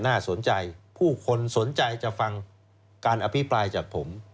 น่าสนใจผู้คนสนใจจะฟังการอภิปรายจากผม